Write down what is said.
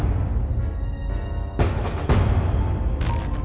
มันไม่อยากจะเกิดขึ้นหรอ